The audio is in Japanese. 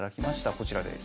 こちらです。